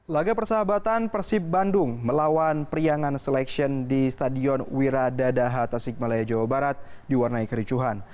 laga persahabatan persib bandung melawan priangan selection di stadion wiradadaha tasik malaya jawa barat diwarnai kericuhan